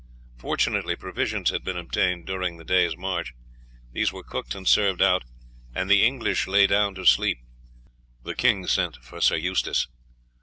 Fortunately provisions had been obtained during the day's march; these were cooked and served out, and the English lay down to sleep. The king sent for Sir Eustace.